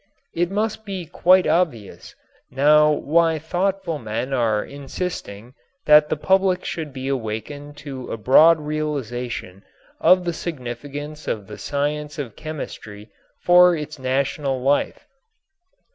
It must be quite obvious now why thoughtful men are insisting that the public should be awakened to a broad realization of the significance of the science of chemistry for its national life.